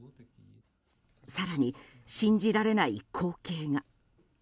更に信じられない光景が。